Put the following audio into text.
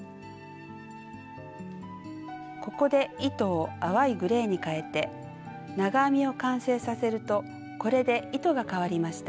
ここで糸を淡いグレーにかえて長編みを完成させるとこれで糸がかわりました。